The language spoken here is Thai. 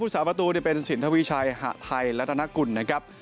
ผู้สามาร์ตูนี่เป็นสินธวิชัยหะไทยและธนกุลนะครับ